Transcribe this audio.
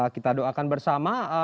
kita doakan bersama